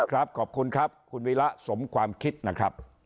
ครับขอบคุณครับคุณวิระสมความคิดนะครับ